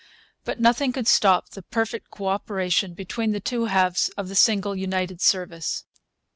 But nothing could stop the perfect co operation between the two halves of the single United Service.